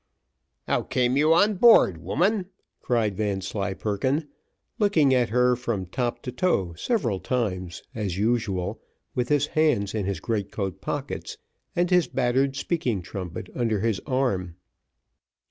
"How came you on board, woman?" cried Vanslyperken, looking at her from top to toe several times, as usual, with his hands in his great coat pockets, and his battered speaking trumpet under his arm.